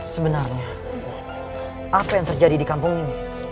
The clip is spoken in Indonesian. sebenarnya apa yang terjadi di kampung ini